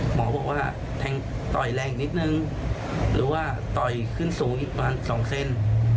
หมอบอกว่าแทงต่อยแรงอีกนิดนึงหรือว่าต่อยขึ้นสูงอีกประมาณ๒เซน